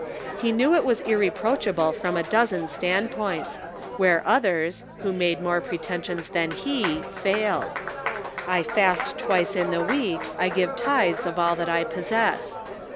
He knew it was irreproachable from a dozen standpoints, where others, who made more pretensions than "They Are Not Wise." 171 he, failed. " I fast twice in the week ; I give tithes of all that I possess."